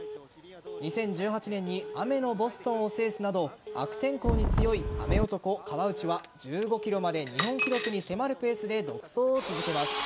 ２０１８年に雨のボストンを制すなど悪天候に強い雨男・川内は１５ｋｍまで日本記録に迫るペースで独走を続けます。